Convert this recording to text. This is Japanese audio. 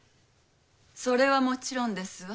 それはもちろんですわ。